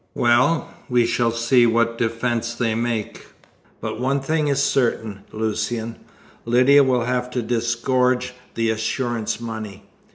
"Well, we shall see what defence they make. But one thing is certain, Lucian Lydia will have to disgorge the assurance money."